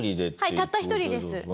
はいたった１人です。